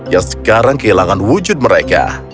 yang sekarang kehilangan wujud mereka